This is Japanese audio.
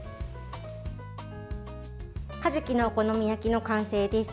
かじきのお好み焼きの完成です。